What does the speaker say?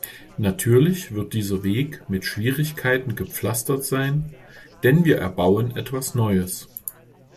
Natürlich wird dieser Weg mit Schwierigkeiten gepflastert sein, denn wir erbauen etwas Neues.